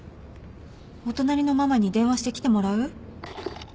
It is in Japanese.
お隣のママに電話して来てもらう？